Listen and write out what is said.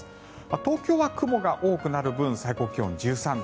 東京は雲が多くなる分最高気温は１３度。